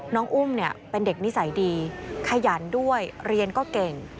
อุ้มเป็นเด็กนิสัยดีขยันด้วยเรียนก็เก่ง